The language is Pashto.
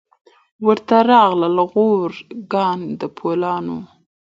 ورته راغلل غوري ګان د پولاوونو